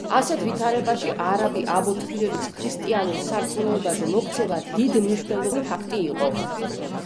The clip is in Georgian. ასეთ ვითარებაში არაბი აბო თბილელის ქრისტიანულ სარწმუნოებაზე მოქცევა დიდმნიშვნელოვანი ფაქტი იყო.